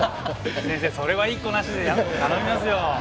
先生それは言いっこなしで頼みますよ！